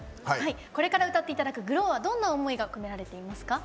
これからお聴きいただく「ＧＬＯＷ」はどんな思いが込められていますか？